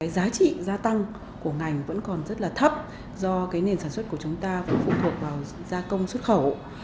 giá trị gia tăng của ngành vẫn còn rất là thấp do nền sản xuất của chúng ta phụ thuộc vào gia công xuất khẩu